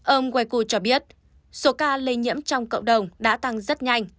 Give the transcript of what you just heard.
ông waiiku cho biết số ca lây nhiễm trong cộng đồng đã tăng rất nhanh